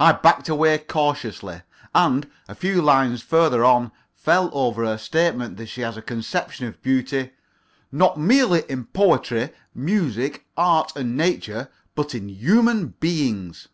I backed away cautiously, and, a few lines further on, fell over her statement that she has a conception of beauty "not merely in poetry, music, art and nature, but in human beings."